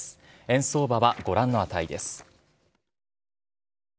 円相場はご覧の値です。